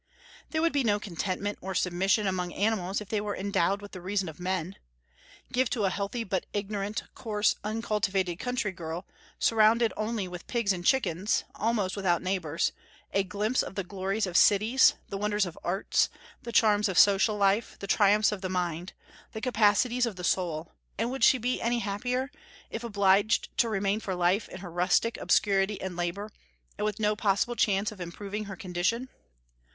There would be no contentment or submission among animals if they were endowed with the reason of men. Give to a healthy, but ignorant, coarse, uncultivated country girl, surrounded only with pigs and chickens, almost without neighbors, a glimpse of the glories of cities, the wonders of art, the charms of social life, the triumphs of mind, the capacities of the soul, and would she be any happier, if obliged to remain for life in her rustic obscurity and labor, and with no possible chance of improving her condition?